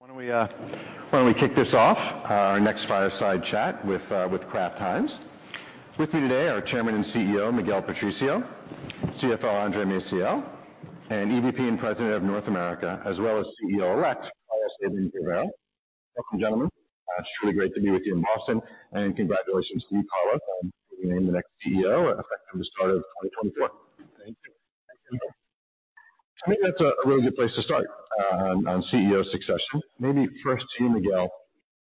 Why don't we kick this off, our next fireside chat with Kraft Heinz. With me today are Chairman and CEO Miguel Patricio, CFO Andre Maciel, and EVP and President of North America, as well as CEO-elect Carlos Abrams-Rivera. Welcome, gentlemen. It's really great to be with you in Boston, and congratulations to you, Carlos, on being the next CEO, effective the start of 2024. Thank you. I think that's a really good place to start on CEO succession. Maybe first to you, Miguel,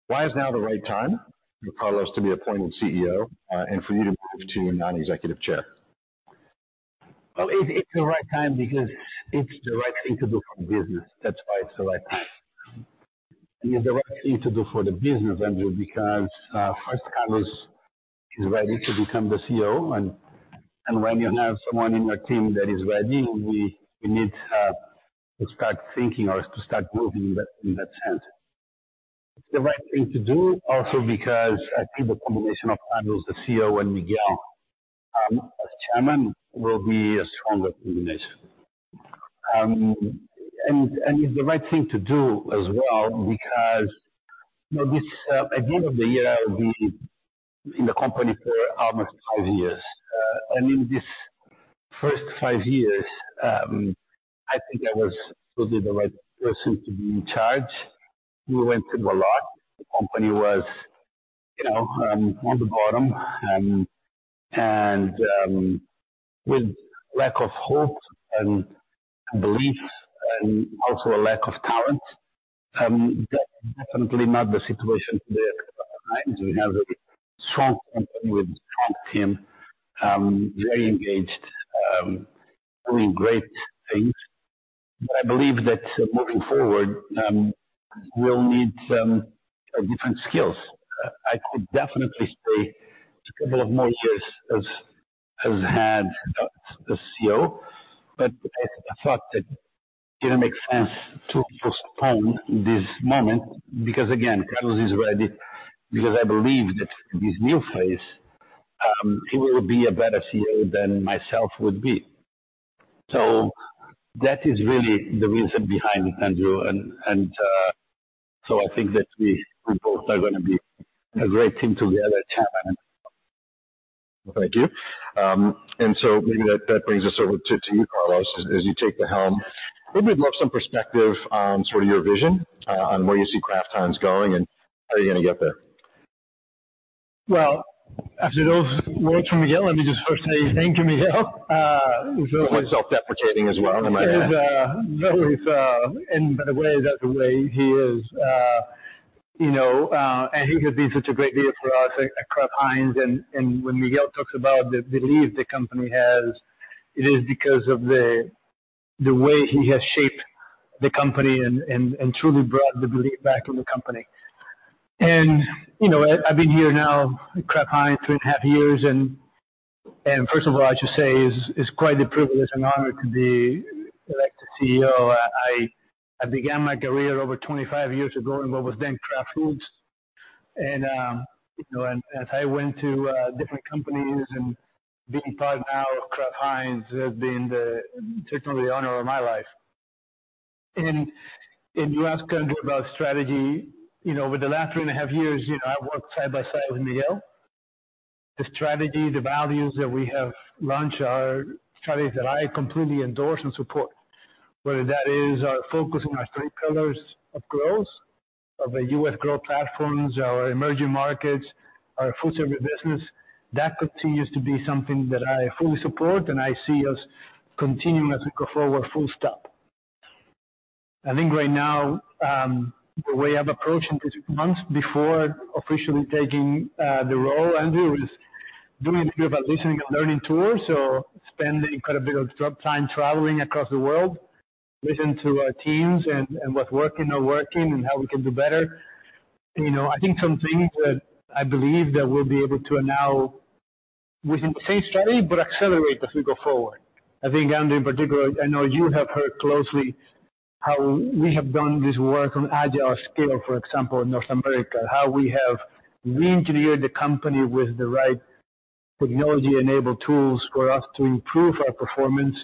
why is now the right time for Carlos to be appointed CEO, and for you to move to non-executive chair? Well, it's the right time because it's the right thing to do for the business. That's why it's the right time. It is the right thing to do for the business, Andrew, because first, Carlos is ready to become the CEO, and when you have someone in your team that is ready, we need to start thinking or to start moving in that sense. It's the right thing to do also because I think the combination of Carlos, the CEO, and Miguel as chairman, will be a stronger combination. It's the right thing to do as well, because you know, this at the end of the year, I will be in the company for almost five years. And in this first five years, I think I was probably the right person to be in charge. We went through a lot. The company was, you know, on the bottom, and, with lack of hope and belief and also a lack of talent, that's definitely not the situation today at Kraft Heinz. We have a strong company with a strong team, very engaged, doing great things. But I believe that moving forward, we'll need some different skills. I could definitely stay a couple of more years as, as head, as CEO, but I, I thought that it didn't make sense to postpone this moment because, again, Carlos is ready, because I believe that this new phase, he will be a better CEO than myself would be. So that is really the reason behind it, Andrew, and, and, so I think that we, we both are gonna be a great team together at Chairman. Thank you. So maybe that brings us over to you, Carlos, as you take the helm, maybe I'd love some perspective on sort of your vision on where you see Kraft Heinz going, and how are you gonna get there? Well, after those words from Miguel, let me just first say thank you, Miguel. Well, self-deprecating as well. It's always, and by the way, that's the way he is. You know, and he has been such a great leader for us at Kraft Heinz, and when Miguel talks about the belief the company has, it is because of the way he has shaped the company and truly brought the belief back in the company. You know, I've been here now at Kraft Heinz 3.5 years, and first of all, I should say it's quite a privilege and honor to be elected CEO. I began my career over 25 years ago in what was then Kraft Foods. You know, and as I went to different companies and being part now of Kraft Heinz has been the greatest honor of my life. You asked, Andrew, about strategy. You know, over the last 3.5 years, you know, I worked side by side with Miguel. The strategy, the values that we have launched are strategies that I completely endorse and support, whether that is our focus on our 3 pillars of growth, of the U.S. growth platforms, our emerging markets, our foodservice business, that continues to be something that I fully support and I see us continuing as we go forward, full stop. I think right now, the way I've approached in these months before officially taking the role, Andrew, is doing a bit of a listening and learning tour. So spending incredible of time traveling across the world, listening to our teams and what's working, not working, and how we can do better. You know, I think some things that I believe that we'll be able to now within the same strategy, but accelerate as we go forward. I think, Andrew, in particular, I know you have heard closely how we have done this work on Agile@Scale, for example, in North America, how we have reengineered the company with the right technology-enabled tools for us to improve our performance.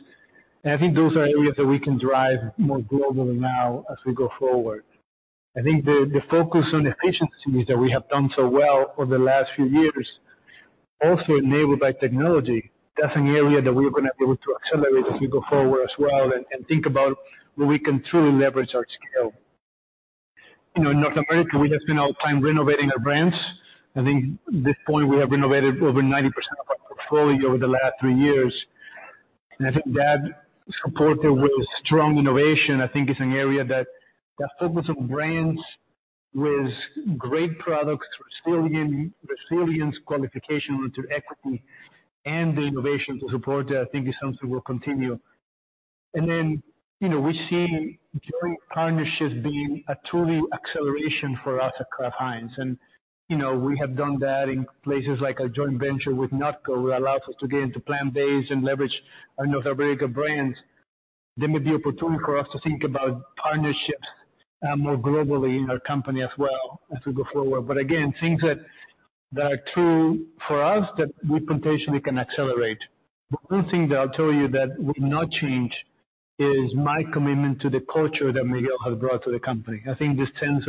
I think those are areas that we can drive more globally now as we go forward. I think the focus on efficiencies that we have done so well over the last few years, also enabled by technology, that's an area that we're gonna be able to accelerate as we go forward as well and think about where we can truly leverage our scale. You know, in North America, we have spent our time renovating our brands. I think at this point, we have renovated over 90% of our portfolio over the last three years. And I think that, supported with strong innovation, I think is an area that the focus on brands with great products, resilient, resilience, qualification into equity and the innovation to support that, I think is something we'll continue. And then, you know, we see joint partnerships being a truly acceleration for us at Kraft Heinz. And, you know, we have done that in places like a joint venture with NotCo, where it allows us to get into plant-based and leverage our North America brands. There may be opportunity for us to think about partnerships, more globally in our company as well as we go forward. But again, things that are true for us, that we potentially can accelerate. But one thing that I'll tell you that will not change is my commitment to the culture that Miguel has brought to the company. I think this sense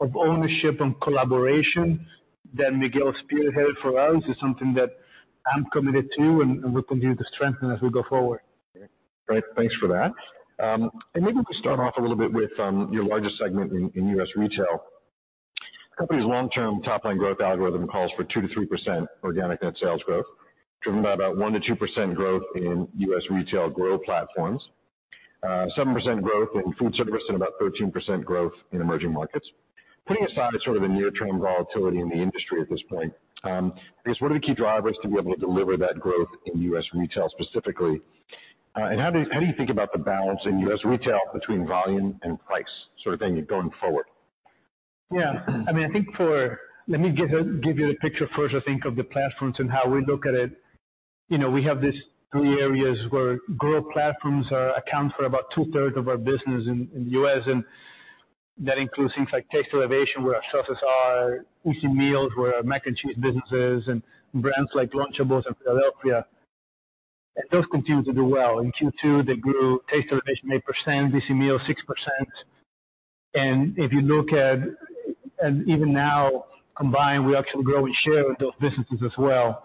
of ownership and collaboration that Miguel spearheaded for us is something that I'm committed to and will continue to strengthen as we go forward. Great, thanks for that. And maybe to start off a little bit with, your largest segment in U.S. retail. Company's long-term top line growth algorithm calls for 2%-3% organic net sales growth, driven by about 1%-2% growth in U.S. retail growth platforms, 7% growth in Foodservice, and about 13% growth in emerging markets. Putting aside sort of the near-term volatility in the industry at this point, I guess, what are the key drivers to be able to deliver that growth in U.S. retail specifically? And how do you think about the balance in U.S. retail between volume and price, sort of thing going forward? Yeah. I mean, I think for. Let me give, give you the picture first, I think, of the platforms and how we look at it. You know, we have these three areas where growth platforms account for about two-thirds of our business in the U.S., and that includes things like Taste Elevation, where our sauces are, Easy Meals, where our Mac & Cheese businesses and brands like Lunchables and Philadelphia. And those continue to do well. In Q2, they grew Taste Elevation 8%, Easy Meals 6%. And if you look at, at even now, combined, we actually grow and share with those businesses as well.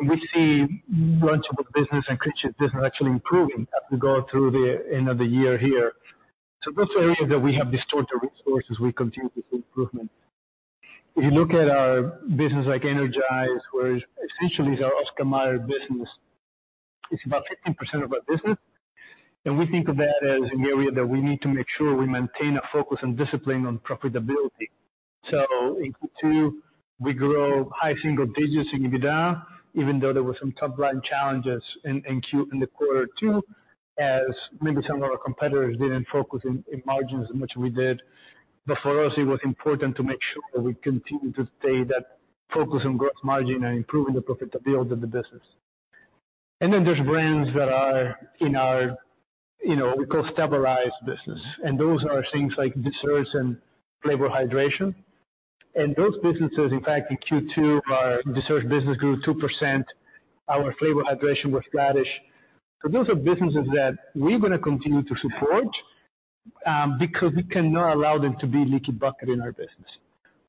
And we see Lunchables business and cream cheese business actually improving as we go through the end of the year here. So those are areas that we have invested resources, we continue to see improvement. If you look at our business like Energize, where essentially is our Oscar Mayer business, it's about 15% of our business, and we think of that as an area that we need to make sure we maintain a focus and discipline on profitability. So in Q2, we grew high single digits in EBITDA, even though there were some top-line challenges in Q2, as maybe some of our competitors didn't focus on margins as much as we did. But for us, it was important to make sure that we continue to stay that focus on gross margin and improving the profitability of the business. And then there's brands that are in our, you know, we call stabilized business, and those are things like Desserts and Flavor Hydration. And those businesses, in fact, in Q2, our dessert business grew 2%. Our Flavor Hydration was flattish. So those are businesses that we're going to continue to support, because we cannot allow them to be leaky bucket in our business.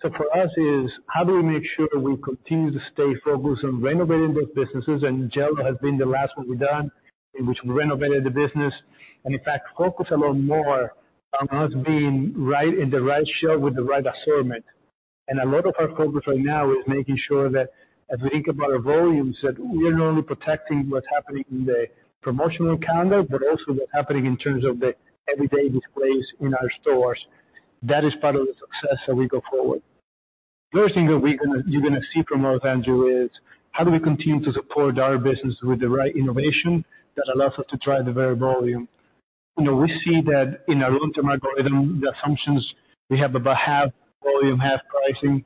So for us is, how do we make sure we continue to stay focused on renovating those businesses? And Jell-O has been the last one we've done, in which we renovated the business, and in fact, focus a lot more on us being right in the right shelf with the right assortment. And a lot of our focus right now is making sure that as we think about our volumes, that we're not only protecting what's happening in the promotional calendar, but also what's happening in terms of the everyday displays in our stores. That is part of the success as we go forward. First thing that you're gonna see from us, Andrew, is how do we continue to support our business with the right innovation that allows us to drive the very volume. You know, we see that in our long-term algorithm, the assumptions, we have about half volume, half pricing.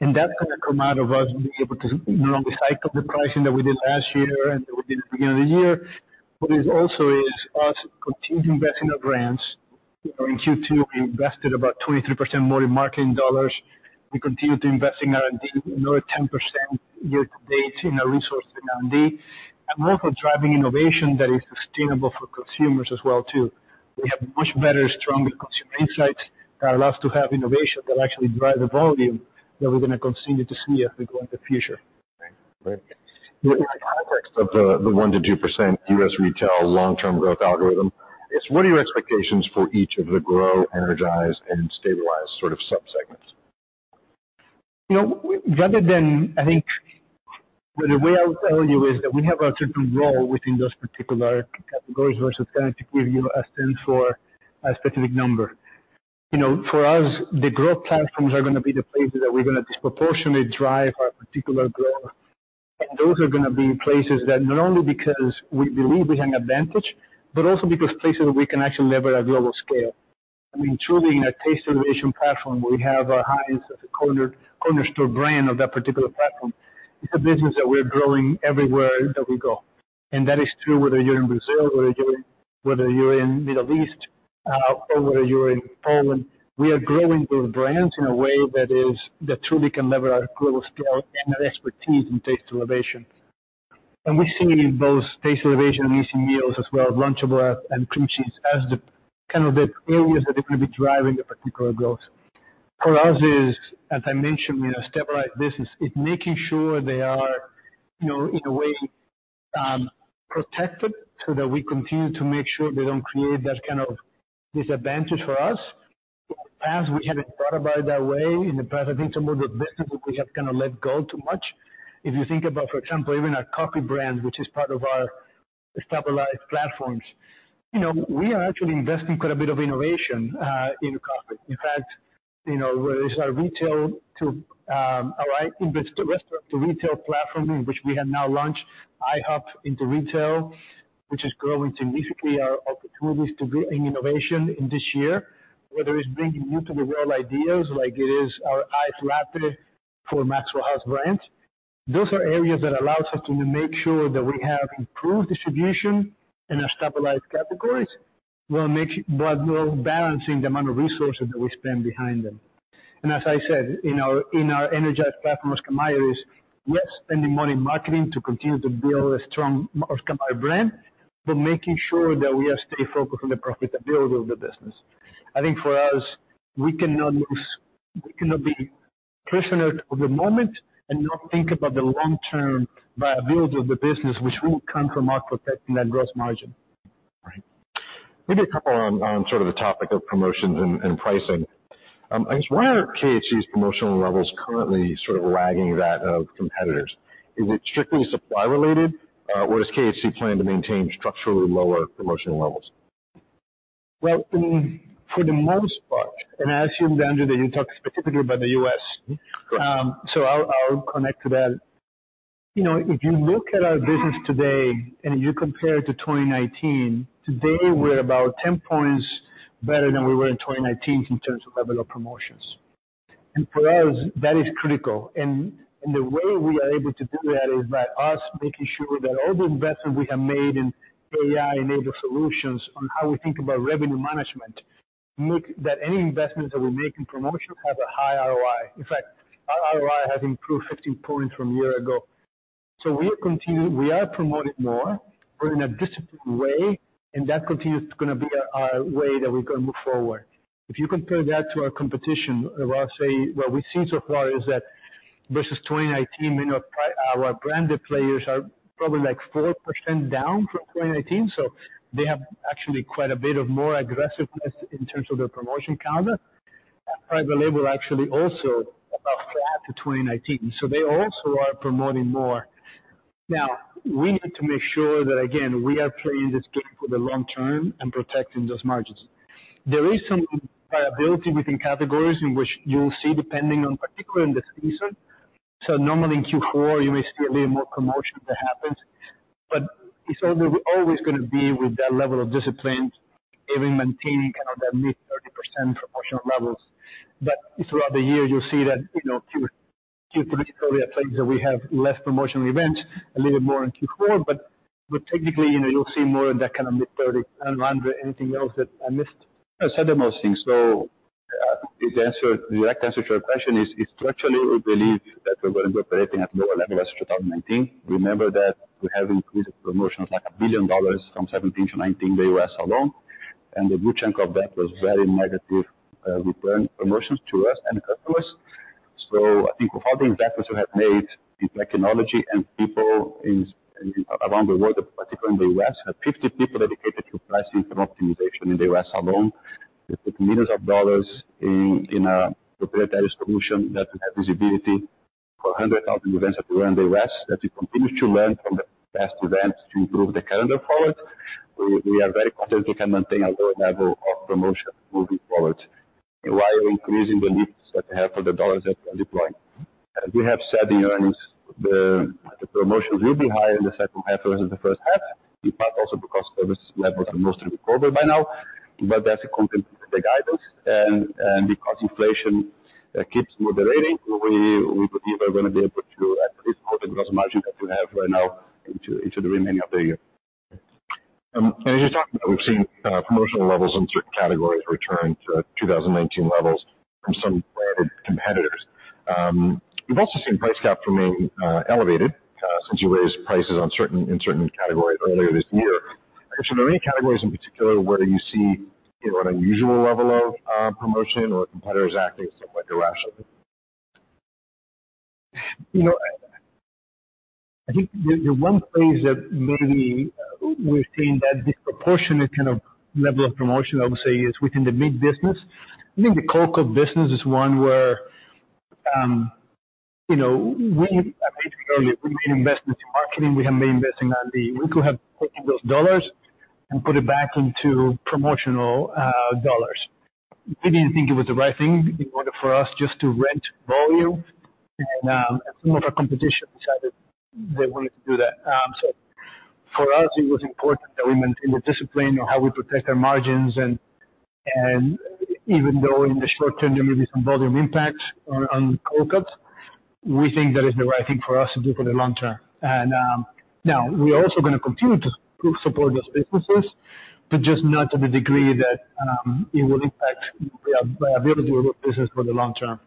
And that's gonna come out of us being able to no longer cycle the pricing that we did last year and that we did at the beginning of the year. But it also is us continuing to invest in our brands. You know, in Q2, we invested about 23% more in marketing dollars. We continued to invest in R&D, another 10% year to date in our resource in R&D, and more for driving innovation that is sustainable for consumers as well, too. We have much better, stronger consumer insights that allows us to have innovation that actually drive the volume that we're gonna continue to see as we go in the future. Great. In the context of the 1%-2% U.S. retail long-term growth algorithm, what are your expectations for each of the Grow, Energize, and Stabilize sort of subsegments? You know, rather than, I think, the way I'll tell you is that we have a different role within those particular categories, versus trying to give you a stance for a specific number. You know, for us, the growth platforms are going to be the places that we're going to disproportionately drive our particular growth. And those are going to be places that not only because we believe we have an advantage, but also because places we can actually leverage at global scale. I mean, truly, in a taste elevation platform, where we have our Heinz as a cornerstone brand of that particular platform, it's a business that we're growing everywhere that we go. And that is true whether you're in Brazil or whether you're, whether you're in Middle East, or whether you're in Poland. We are growing those brands in a way that is, that truly can leverage our global scale and our expertise in taste elevation. And we're seeing in both taste elevation and Easy Meals as well, Lunchables and cream cheese, as the kind of the areas that are going to be driving the particular growth. For us, is, as I mentioned, in a stabilized business, is making sure they are, you know, in a way, protected, so that we continue to make sure they don't create that kind of disadvantage for us. In the past, we haven't thought about it that way. In the past, I think some of the businesses we have kind of let go too much. If you think about, for example, even our coffee brand, which is part of our stabilized platforms, you know, we are actually investing quite a bit of innovation in coffee. In fact, you know, whether it's our retail to our in-restaurant to retail platform, in which we have now launched IHOP into retail, which is growing significantly our opportunities to bring innovation in this year. Whether it's bringing new to the world ideas, like it is our Iced Latte for Maxwell House brand. Those are areas that allows us to make sure that we have improved distribution in our Stabilize categories. We'll make, but while balancing the amount of resources that we spend behind them. And as I said, in our Energize platform, Oscar Mayer is, we are spending money in marketing to continue to build a strong Oscar Mayer brand, but making sure that we stay focused on the profitability of the business. I think for us, we cannot lose. We cannot be prisoner of the moment and not think about the long-term viability of the business, which will come from our protecting that gross margin. Right. Maybe a couple on, on sort of the topic of promotions and, and pricing. I guess, why are KHC's promotional levels currently sort of lagging that of competitors? Is it strictly supply related, or does KHC plan to maintain structurally lower promotional levels? Well, I mean, for the most part, and I assume, Andrew, that you talk specifically about the U.S. Correct. So I'll connect to that. You know, if you look at our business today and you compare it to 2019, today we're about 10 points better than we were in 2019 in terms of level of promotions. And for us, that is critical. And the way we are able to do that is by us making sure that all the investments we have made in AI-enabled solutions on how we think about revenue management, make that any investments that we make in promotion have a high ROI. In fact, our ROI has improved 15 points from a year ago. So we continue. We are promoting more, but in a disciplined way, and that continues to gonna be our way that we're gonna move forward. If you compare that to our competition, I'll say what we've seen so far is that versus 2019, you know, our branded players are probably like 4% down from 2019. So they have actually quite a bit of more aggressiveness in terms of their promotion calendar. Private label actually also about flat to 2019, so they also are promoting more. Now, we need to make sure that, again, we are playing this game for the long term and protecting those margins. There is some variability within categories in which you'll see, depending on particularly in the season. So normally in Q4, you may see a little more promotion that happens, but it's always gonna be with that level of discipline, even maintaining kind of that mid-30s promotional levels. But throughout the year, you'll see that, you know, Q2, Q3 are times that we have less promotional events, a little more in Q4, but, but technically, you know, you'll see more of that kind of mid-thirties. And Andrew, anything else that I missed? No, you said the most things. So, the answer, the direct answer to your question is, is structurally, we believe that we're going to be operating at lower levels as 2019. Remember that we have increased promotions like $1 billion from 2017 to 2019, the U.S. alone, and a good chunk of that was very negative, return promotions to us and customers. So I think with all the investments we have made in technology and people in, around the world, particularly in the U.S., have 50 people dedicated to pricing and optimization in the U.S. alone. We put millions of dollars in, in a proprietary solution that we have visibility for 100,000 events that we run in the U.S., that we continue to learn from the past events to improve the calendar forward. We are very confident we can maintain a lower level of promotion moving forward while increasing the lifts that we have for the dollars that we're deploying. As we have said in earnings, the promotions will be higher in the second half versus the first half, in part also because service levels are mostly recovered by now. But that's in line with the guidance. And because inflation keeps moderating, we believe we are gonna be able to at least grow the gross margin that we have right now into the remainder of the year. As you talked about, we've seen promotional levels in certain categories return to 2019 levels from some competitors. We've also seen price gap remain elevated since you raised prices in certain categories earlier this year. So are there any categories in particular where you see, you know, an unusual level of promotion or competitors acting somewhat irrational? You know, I think the one place that maybe we've seen that disproportionate kind of level of promotion, I would say, is within the meat business. I think the cold cuts business is one where, you know, we, I mentioned earlier, we made investments in marketing, we have made investing on the. We could have taken those dollars and put it back into promotional dollars. We didn't think it was the right thing in order for us just to rent volume, and some of our competition decided they wanted to do that. So for us, it was important that we maintain the discipline of how we protect our margins. And even though in the short term there may be some volume impact on, on cold cuts, we think that is the right thing for us to do for the long term. Now we are also gonna continue to support those businesses, but just not to the degree that it would impact our ability to do business for the long term.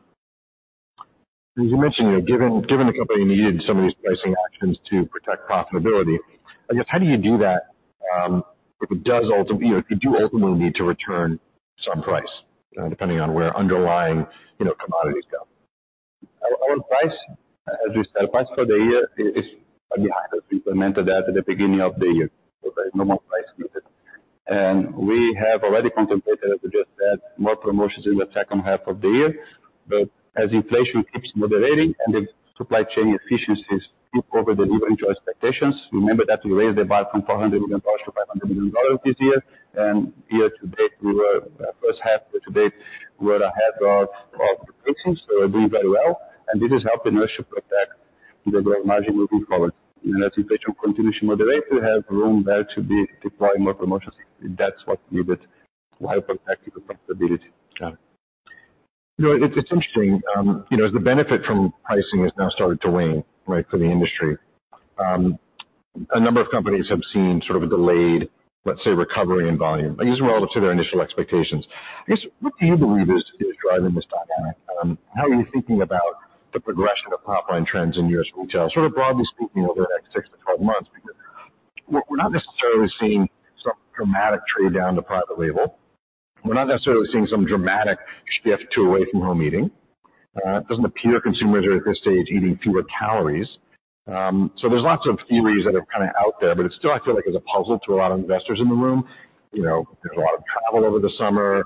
As you mentioned, given the company needed some of these pricing actions to protect profitability, I guess how do you do that? If it does, you know, could you ultimately need to return some price, depending on where underlying, you know, commodities go? Our price, as we said, price for the year is behind us. We implemented that at the beginning of the year, so there is no more price needed. We have already contemplated, as we just said, more promotions in the second half of the year. But as inflation keeps moderating and the supply chain efficiencies keep over the expectations, remember that we raised the bar from $400 million to $500 million this year. Year to date, first half to date, we're ahead of predictions. So we're doing very well, and this has helped us to protect the gross margin moving forward. As inflation continues to moderate, we have room there to be deploying more promotions if that's what's needed while protecting the profitability. You know, it's, it's interesting, you know, as the benefit from pricing has now started to wane, right, for the industry, a number of companies have seen sort of a delayed, let's say, recovery in volume, but these are all up to their initial expectations. I guess, what do you believe is, is driving this dynamic? How are you thinking about the progression of top line trends in U.S. retail, sort of broadly speaking, over the next six to 12 months? Because we're, we're not necessarily seeing some dramatic trade down to private label. We're not necessarily seeing some dramatic shift to away from home eating. It doesn't appear consumers are, at this stage, eating fewer calories. So there's lots of theories that are kinda out there, but it still, I feel like, is a puzzle to a lot of investors in the room. You know, there's a lot of travel over the summer.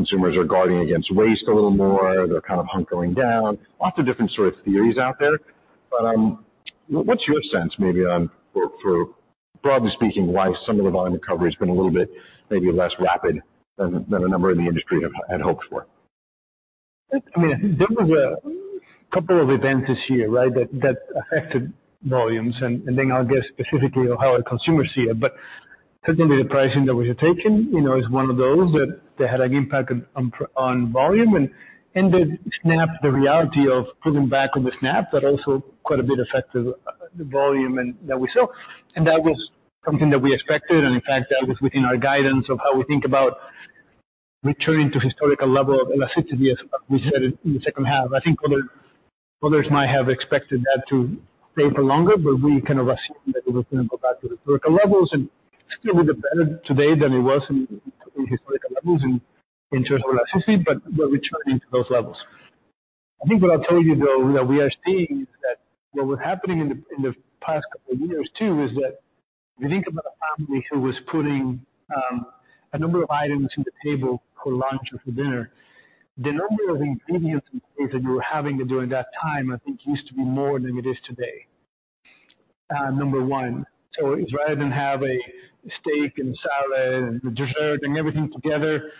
Consumers are guarding against waste a little more. They're kind of hunkering down. Lots of different sort of theories out there. But, what's your sense maybe on, for, for broadly speaking, why some of the volume recovery has been a little bit, maybe less rapid than, than a number in the industry have had hoped for? I mean, there was a couple of events this year, right, that affected volumes, and then I'll get specifically on how our consumers see it. But certainly the pricing that we had taken, you know, is one of those that had an impact on price on volume, and it snapped the reality of pulling back on the snap, but also quite a bit affected the volume that we saw. And that was something that we expected, and in fact, that was within our guidance of how we think about returning to historical level of elasticity, as we said in the second half. I think others, others might have expected that to stay for longer, but we kind of assumed that it was gonna go back to the critical levels and still a bit better today than it was in historical levels in, in terms of elasticity, but returning to those levels. I think what I'll tell you, though, that we are seeing, is that what was happening in the, in the past couple of years, too, is that when you think about a family who was putting a number of items on the table for lunch or for dinner, the number of ingredients that you were having during that time, I think, used to be more than it is today. Number one, so rather than have a steak and salad and dessert and everything together,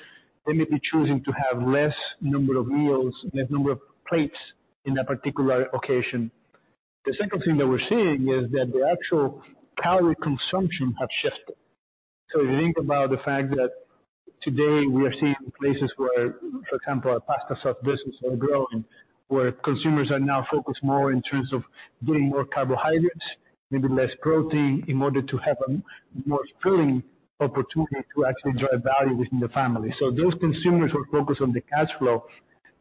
they may be choosing to have less number of meals, less number of plates in that particular occasion. The second thing that we're seeing is that the actual calorie consumption have shifted. So if you think about the fact that today we are seeing places where, for example, our pasta sauce business are growing, where consumers are now focused more in terms of getting more carbohydrates, maybe less protein, in order to have a more filling opportunity to actually drive value within the family. So those consumers who are focused on the cash flow,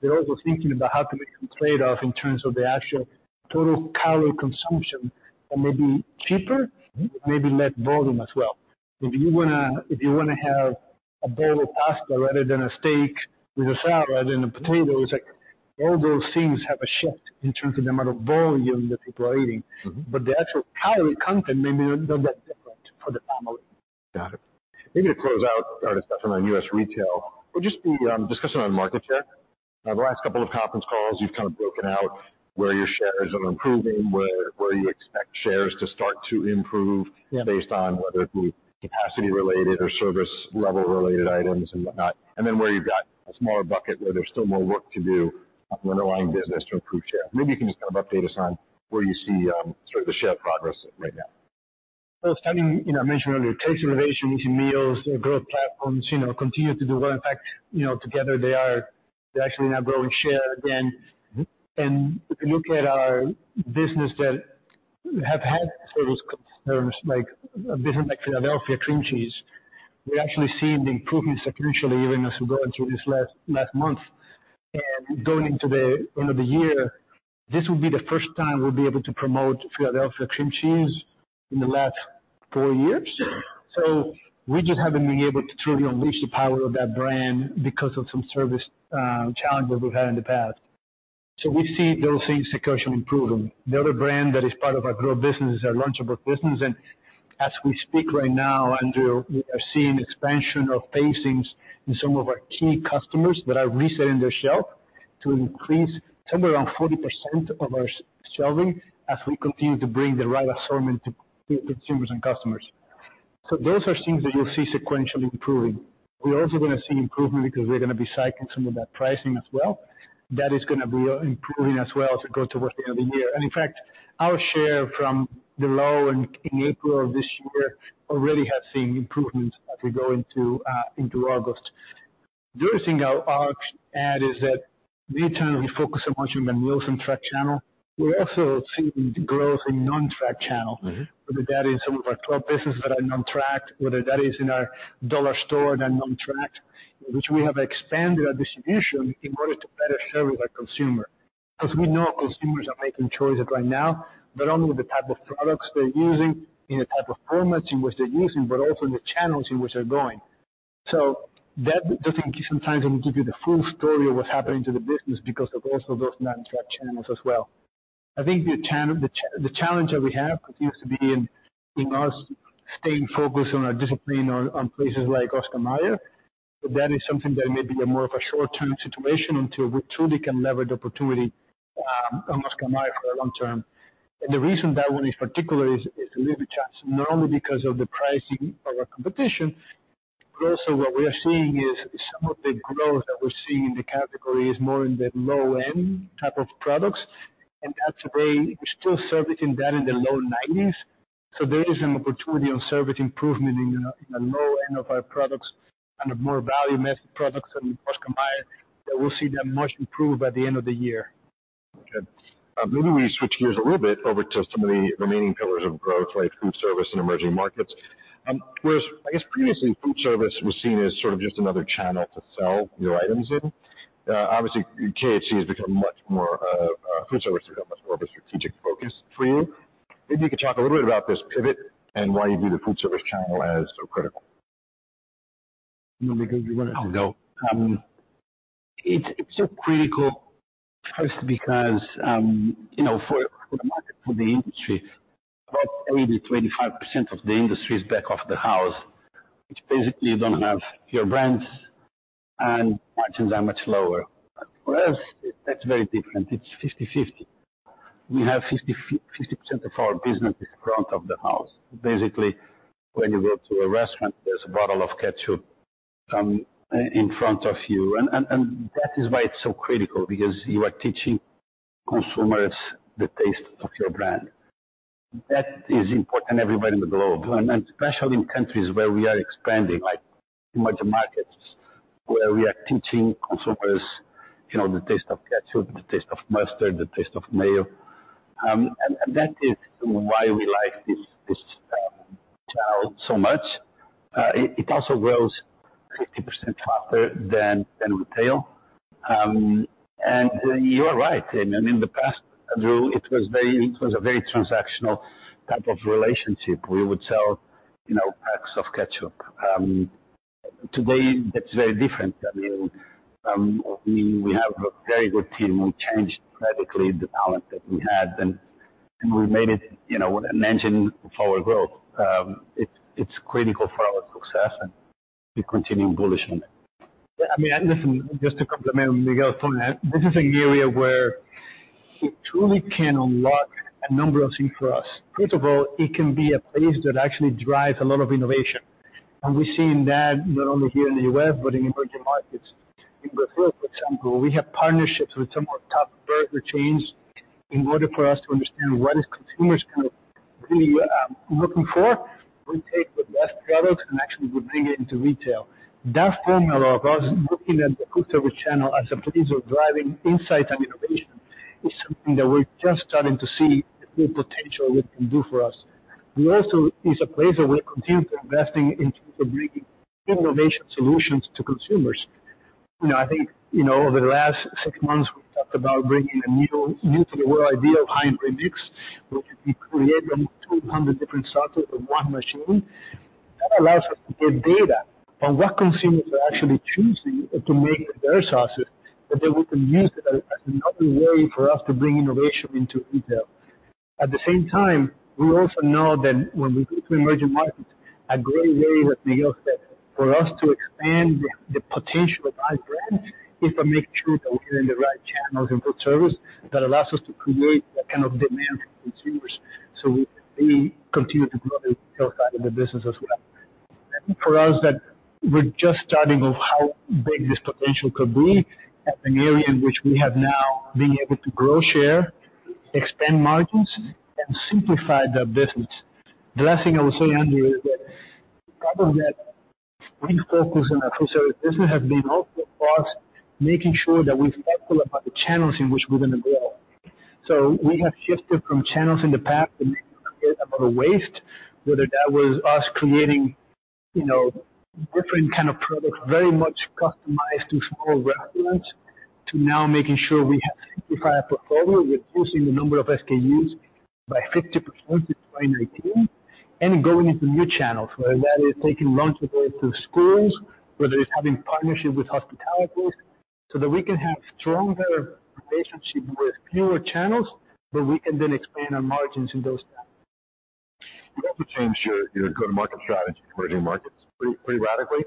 they're also thinking about how to make some trade-off in terms of the actual total calorie consumption, and maybe cheaper, maybe less volume as well. If you wanna have a bowl of pasta rather than a steak with a salad and the potatoes, like, all those things have a shift in terms of the amount of volume that people are eating. But the actual calorie content may be a little bit different for the family. Got it. Maybe to close out our discussion on U.S. retail, would just be, discussing on market share. The last couple of conference calls, you've kind of broken out where your shares are improving, where, where you expect shares to start to improve. Yeah. Based on whether it be capacity related or service level related items and whatnot, and then where you've got a smaller bucket, where there's still more work to do on the underlying business to improve share. Maybe you can just kind of update us on where you see, sort of the share progress right now? Well, standing, you know, I mentioned earlier, taste elevation, easy meals, growth platforms, you know, continue to do well. In fact, you know, together they're actually now growing share again. If you look at our business that have had service concerns, like a business like Philadelphia cream cheese, we're actually seeing the improvements sequentially, even as we're going through this last month. Going into the end of the year, this will be the first time we'll be able to promote Philadelphia cream cheese in the last four years. We just haven't been able to truly unleash the power of that brand because of some service challenges we've had in the past. We see those things sequentially improving. The other brand that is part of our growth business is our Lunchables business, and as we speak right now, Andrew, we are seeing expansion of facings in some of our key customers that are resetting their shelf to increase somewhere around 40% of our shelving as we continue to bring the right assortment to consumers and customers. So those are things that you'll see sequentially improving. We're also going to see improvement because we're going to be cycling some of that pricing as well. That is gonna be improving as well as it goes towards the end of the year. And in fact, our share from the low in April of this year already has seen improvement as we go into August. The other thing I'll add is that we internally focus so much on the Nielsen and tracked channel. We're also seeing growth in non-tracked channel. Whether that is some of our club businesses that are non-tracked, whether that is in our dollar store that are non-tracked, which we have expanded our distribution in order to better serve our consumer. Because we know consumers are making choices right now, but not only the type of products they're using, in the type of formats in which they're using, but also in the channels in which they're going. So that doesn't sometimes even give you the full story of what's happening to the business because of also those non-tracked channels as well. I think the challenge that we have continues to be in us staying focused on our discipline on, on places like Oscar Mayer. That is something that may be a more of a short-term situation until we truly can leverage the opportunity on Oscar Mayer for the long term. The reason that one is particular is little chance, not only because of the pricing of our competition, but also what we are seeing is some of the growth that we're seeing in the category is more in the low-end type of products, and that's a way we're still servicing that in the low 90s. So there is an opportunity on service improvement in the low end of our products and a more value-mass products and cost combined, that we'll see them much improved by the end of the year. Okay. Maybe we switch gears a little bit over to some of the remaining pillars of growth, like Foodservice and emerging markets. Whereas, I guess previously, Foodservice was seen as sort of just another channel to sell your items in. Obviously, KHC has become much more, Foodservice has become much more of a strategic focus for you. Maybe you could talk a little bit about this pivot and why you view the Foodservice channel as so critical. Miguel, do you want to go? I'll go. It's so critical first because, you know, for the market, for the industry, about 25% of the industry is back of the house, which basically you don't have your brands and margins are much lower. But for us, that's very different. It's 50/50. We have 50, 50% of our business is front of the house. Basically, when you go to a restaurant, there's a bottle of ketchup in front of you. And that is why it's so critical, because you are teaching consumers the taste of your brand. That is important everywhere in the globe, and especially in countries where we are expanding, like emerging markets, where we are teaching consumers, you know, the taste of ketchup, the taste of mustard, the taste of mayo. And that is why we like this channel so much. It also grows 50% faster than retail. And you are right, and in the past, Andrew, it was very, it was a very transactional type of relationship, where we would sell, you know, packs of ketchup. Today, that's very different. I mean, we have a very good team. We changed radically the talent that we had, and we made it, you know, an engine for our growth. It's critical for our success, and we continue bullish on it. Yeah, I mean, and listen, just to complement Miguel from that, this is an area where it truly can unlock a number of things for us. First of all, it can be a place that actually drives a lot of innovation, and we're seeing that not only here in the U.S., but in emerging markets. In Brazil, for example, we have partnerships with some of the top burger chains. In order for us to understand what is consumers kind of really looking for, we take the best products, and actually we bring it into retail. That formula of us looking at the Foodservice channel as a place of driving insight and innovation is something that we're just starting to see the full potential it can do for us. We also, it's a place that we're continuing to investing in terms of bringing innovation solutions to consumers. You know, I think, you know, over the last six months, we've talked about bringing a new, new to the world idea of Heinz Remix, which is we create 200 different sauces with one machine. That allows us to get data on what consumers are actually choosing to make their sauces, that then we can use that as another way for us to bring innovation into retail. At the same time, we also know that when we go to emerging markets, a great way, what Miguel said, for us to expand the, the potential of our brands, is to make sure that we are in the right channels of foodservice, that allows us to create that kind of demand for consumers, so we, we continue to grow the retail side of the business as well. I think for us, that we're just starting to see how big this potential could be, and an area in which we have now been able to grow share, expand margins, and simplify the business. The last thing I will say, Andrew, is that part of that refocus on our Foodservice business has been also for us, making sure that we're thoughtful about the channels in which we're going to grow. So we have shifted from channels in the past that made it a bit of a waste, whether that was us creating, you know, different kind of products, very much customized to small restaurants, to now making sure we have simplified our portfolio. We're closing the number of SKUs by 50% through 2019, and going into new channels, whether that is taking Lunchables to schools, whether it's having partnerships with hospitality, so that we can have stronger relationship with fewer channels, but we can then expand our margins in those. You also changed your, your go-to-market strategy in emerging markets pretty, pretty radically.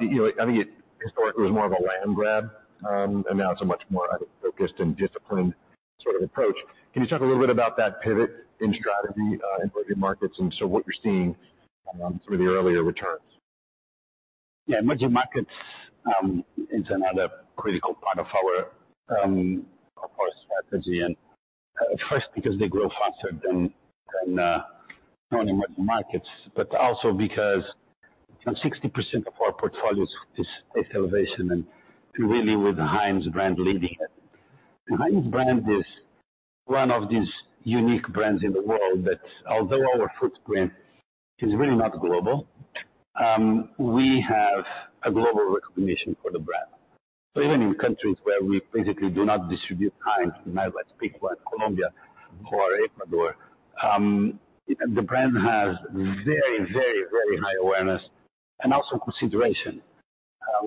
You know, I think it historically was more of a land grab, and now it's a much more focused and disciplined sort of approach. Can you talk a little bit about that pivot in strategy in emerging markets, and so what you're seeing some of the earlier returns? Yeah, emerging markets is another critical part of our strategy, and first, because they grow faster than non-emerging markets, but also because 60% of our portfolio is elevation, and really with the Heinz brand leading it. The Heinz brand is one of these unique brands in the world that although our footprint is really not global, we have a global recognition for the brand. So even in countries where we basically do not distribute Heinz, like Ecuador and Colombia, the brand has very, very, very high awareness and also consideration.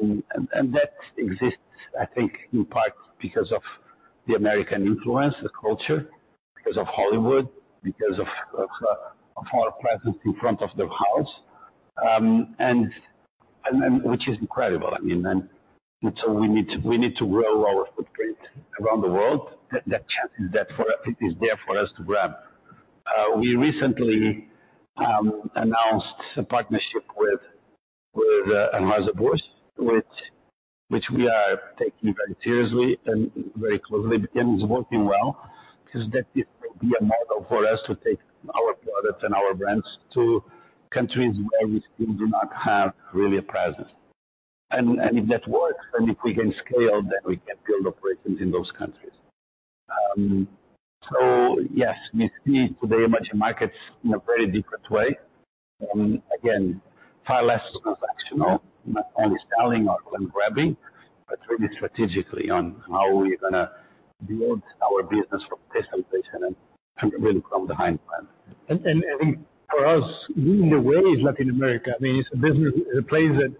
And that exists, I think, in part because of the American influence, the culture, because of Hollywood, because of our presence in front of the house, and which is incredible. I mean, and so we need to, we need to grow our footprint around the world. That chance is there for us, is there for us to grab. We recently announced a partnership with AB InBev's BEES, which, which we are taking very seriously and very closely, and it's working well. Because that it will be a model for us to take our products and our brands to countries where we still do not have really a presence. And if that works, and if we can scale, then we can build operations in those countries. So yes, we see today emerging markets in a very different way. Again, far less transactional, not only selling or grabbing, but really strategically on how we're gonna build our business from place to place and really from behind plan. And I think for us, the way is Latin America. I mean, it's a business, a place that,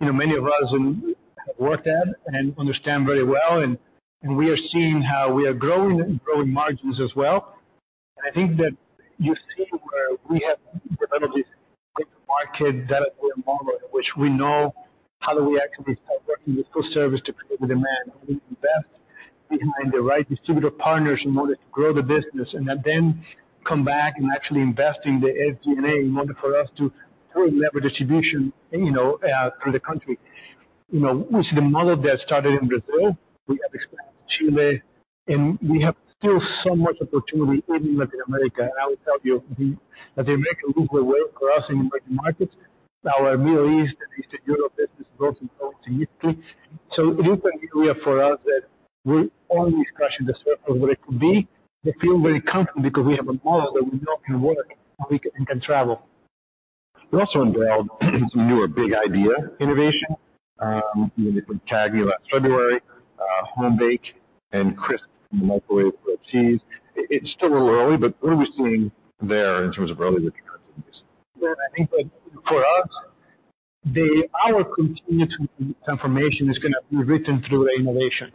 you know, many of us in have worked at and understand very well, and we are seeing how we are growing and growing margins as well. I think that you see where we have developed this market development model, in which we know how do we actually start working with Foodservice to create the demand, and we invest behind the right distributor partners in order to grow the business, and then come back and actually invest in the SG&A in order for us to really lever distribution, you know, through the country. You know, we see the model that started in Brazil. We have expanded to Chile, and we have still so much opportunity in Latin America. I will tell you that they make a little way for us in emerging markets. Our Middle East and Eastern Europe business is also growing significantly. It is clear for us that we're always crushing the circle of what it could be, but feel very comfortable because we have a model that we know can work, and we can, and can travel. We're also involved in some newer big idea innovation with talked about February, HomeBake and Crisp Microwave for cheese. It's still a little early, but what are we seeing there in terms of early returns? Well, I think that for us, the. Our continued transformation is gonna be written through innovation.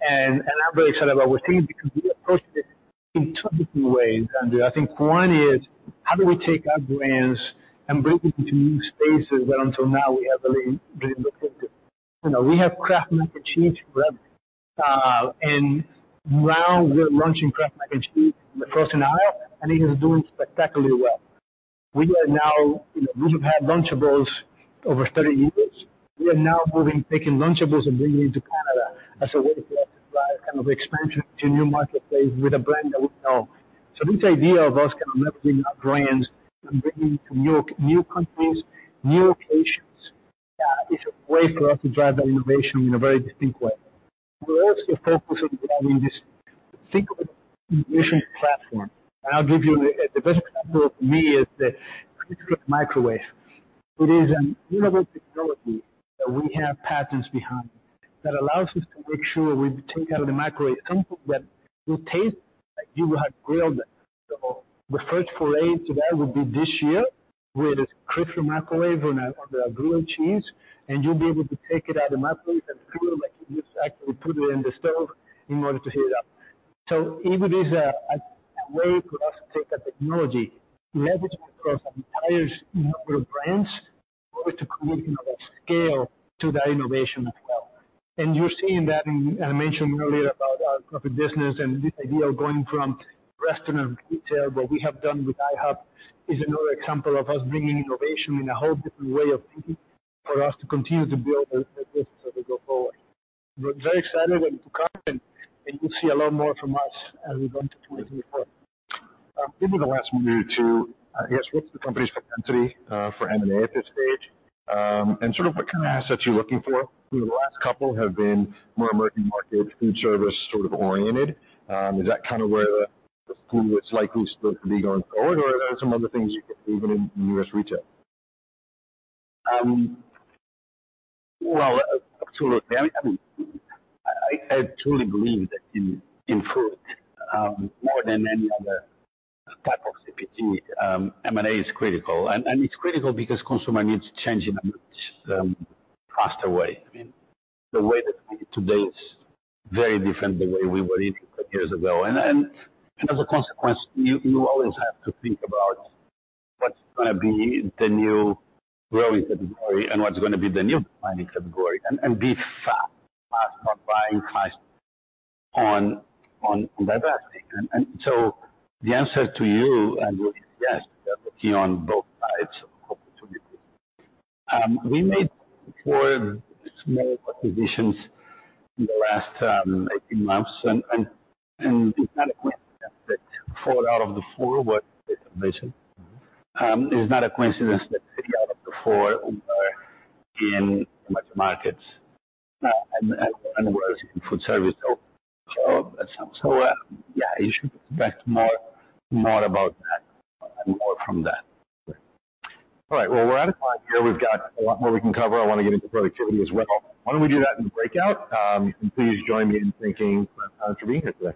And, and I'm very excited about we're seeing, because we approach this in two different ways, Andrew. I think one is, how do we take our brands and bring them to new spaces, where until now we have really, really looked into? You know, we have Kraft Mac & Cheese brand, and now we're launching Kraft Mac & Cheese in the frozen aisle, and it is doing spectacularly well. We are now, you know, we have had Lunchables over 30 years. We are now moving, taking Lunchables and bringing into Canada as a way for us to kind of expansion to new marketplace with a brand that we know. This idea of us kind of leveraging our brands and bringing to new, new countries, new locations, is a way for us to drive that innovation in a very distinct way. We're also focused on driving this single innovation platform. And I'll give you the best example of me is the 360CRISP™. It is an innovative technology that we have patents behind, that allows us to make sure we take out of the microwave something that will taste like you have grilled it. So the first foray to that will be this year, with a 360CRISP™ on a grilled cheese, and you'll be able to take it out of the microwave and feel like you just actually put it in the stove in order to heat it up. So it is a way for us to take a technology, leverage it across an entire number of brands, in order to create, you know, a scale to that innovation as well. And you're seeing that in, I mentioned earlier about our coffee business, and this idea of going from restaurant to retail. What we have done with IHOP is another example of us bringing innovation in a whole different way of thinking, for us to continue to build the business as we go forward. We're very excited what's to come, and you'll see a lot more from us as we go into 2024. Maybe the last one here to, I guess, what's the company's potentiality for M&A at this stage? And sort of what kind of assets you're looking for. You know, the last couple have been more emerging market, Foodservice, sort of oriented. Is that kind of where the food is likely to be going forward, or are there some other things you can even in U.S. retail? Well, absolutely. I truly believe that in food, more than any other type of CPG, M&A is critical. And it's critical because consumer needs change in a much faster way. I mean, the way that we eat today is very different the way we were eating years ago. And as a consequence, you always have to think about what's gonna be the new growing category and what's gonna be the new planning category, and be fast on buying, fast on diversity. And so the answer to you, Andrew, is yes, definitely on both sides of opportunity. We made 4 small acquisitions in the last 18 months, and it's not a coincidence that four out of the four were acquisition. It's not a coincidence that three out of the four were in emerging markets and were in Foodservice. So, yeah, you should expect more about that and more from that. All right, well, we're out of time here. We've got a lot more we can cover. I want to get into productivity as well. Why don't we do that in the breakout? Please join me in thanking Carlos for being here today.